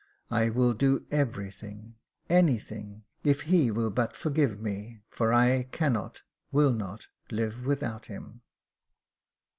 I will do everything — anything — if he will but forgive me, for I cannot, will not, live without him."